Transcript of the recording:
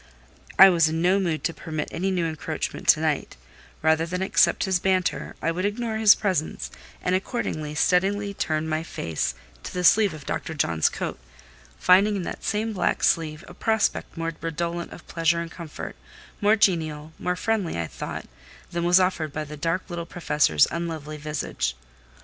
I was in no mood to permit any new encroachment to night: rather than accept his banter, I would ignore his presence, and accordingly steadily turned my face to the sleeve of Dr. John's coat; finding in that same black sleeve a prospect more redolent of pleasure and comfort, more genial, more friendly, I thought, than was offered by the dark little Professor's unlovely visage.